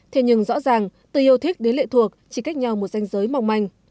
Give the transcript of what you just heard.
thế nhưng rõ ràng từ yêu thích đến lệ thuộc chỉ cách nhau một danh giới mỏng manh